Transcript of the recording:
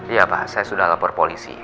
iya pak saya sudah lapor polisi